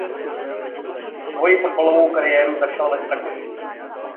Svoji fotbalovou kariéru začal ve Strakonicích.